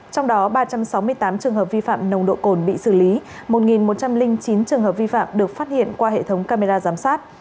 trong đó ba trăm sáu mươi tám trường hợp vi phạm nồng độ cồn bị xử lý một một trăm linh chín trường hợp vi phạm được phát hiện qua hệ thống camera giám sát